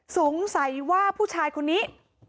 สงสัยว่าผู้ชายคนนี้